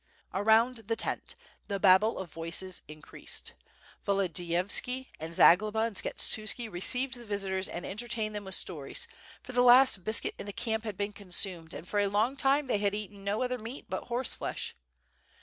Around the tent the babel of voices increased. Volodiyov ski and Zagloba and Skshetuski received the visitors and en tertained them with stories, for the last biscuit in the camp had been consumed and for a long time they had eaten no other meat but horse flesh.